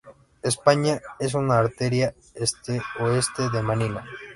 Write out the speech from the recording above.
España es una arteria este-oeste de Manila.